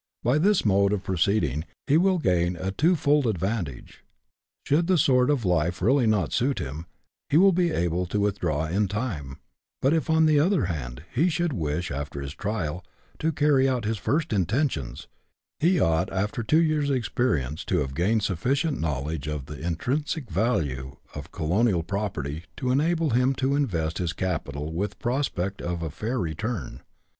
By this mode of proceeding he will gain a twofold advantage : should the sort of life really not suit him, he will be able to withdraw in time ; but if, on the other hand, he should wish, after his trial, to carry out his first intentions, he ought, after two years' experience, to have gained sufficient knowledge of the intrinsic value of colonial property to enable him to invest his capital with the prospect of a fair return.